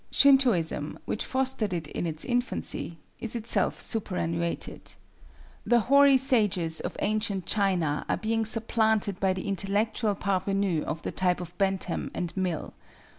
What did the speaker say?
Shintoism, which fostered it in its infancy, is itself superannuated. The hoary sages of ancient China are being supplanted by the intellectual parvenu of the type of Bentham and Mill.